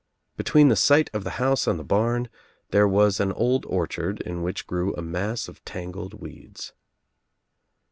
Between the site of the house and the barn there was an old orchard In which grew a mass of tangled weeds.